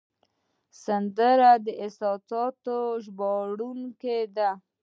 سندره د احساساتو ژباړونکی ده